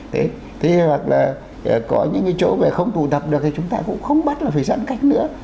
thế hoặc là có những cái chỗ mà không tụ tập được thì chúng ta cũng không bắt là phải giãn cách nữa